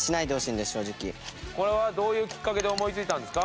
これはどういうきっかけで思いついたんですか？